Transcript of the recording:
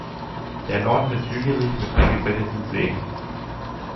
Der Norden ist hügelig mit eingebetteten Seen.